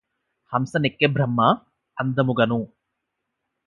హంసనెక్కె Brahma అందముగను